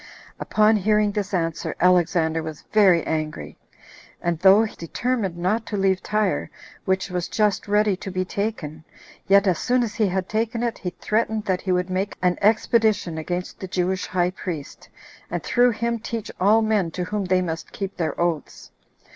Upon hearing this answer, Alexander was very angry; and though he determined not to leave Tyre, which was just ready to be taken, yet as soon as he had taken it, he threatened that he would make an expedition against the Jewish high priest, and through him teach all men to whom they must keep their oaths.